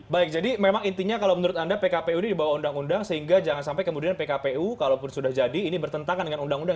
baik jadi memang intinya kalau menurut anda pkpu ini di bawah undang undang sehingga jangan sampai kemudian pkpu kalaupun sudah jadi ini bertentangan dengan undang undang